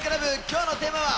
今日のテーマは？